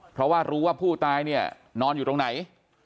เพราะว่ารู้ว่าผู้ตายเนี่ยนอนอยู่ตรงไหน